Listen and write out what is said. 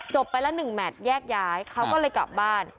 จบไปแล้วหนึ่งแมทแยกย้ายเขาก็เลยกลับบ้าน